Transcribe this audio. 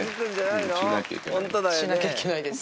しなきゃいけないです。